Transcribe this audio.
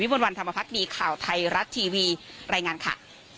วันธรรมพักดีข่าวไทยรัฐทีวีรายงานค่ะ